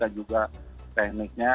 dan juga tekniknya